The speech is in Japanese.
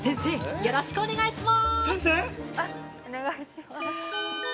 よろしくお願いします。